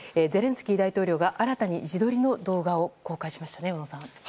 ゼレンスキー大統領が新たに自撮りの動画を公開しました。